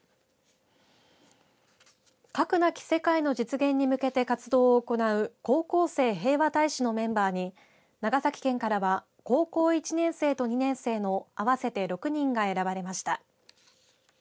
核なき世界の実現に向けて活動を行う高校生平和大使のメンバーに長崎県からは高校１年生と２年生の合わせて６人が選ばれました。